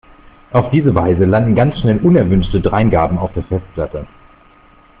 Auf diese Weise landen ganz schnell unerwünschte Dreingaben auf der Festplatte.